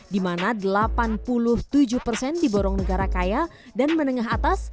di mana delapan puluh tujuh persen diborong negara kaya dan menengah atas